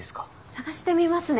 捜してみますね。